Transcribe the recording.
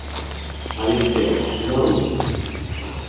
Politsiya – nima u?